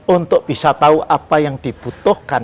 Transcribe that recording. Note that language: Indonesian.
untuk bisa tahu apa yang dibutuhkan